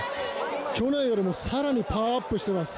去年よりさらにパワーアップしてます。